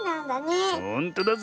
ほんとだぜ。